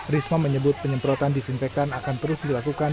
risma menyebut penyemprotan disinfektan akan terus dilakukan